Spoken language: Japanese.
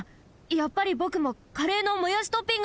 やっぱりぼくもカレーのもやしトッピングにする！